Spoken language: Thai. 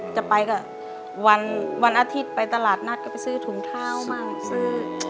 จะไปก็วันอาทิตย์ไปตลาดนัดก็ไปซื้อถุงเท้าบ้างซื้อ